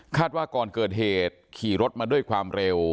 ว่าก่อนเกิดเหตุขี่รถมาด้วยความเร็ว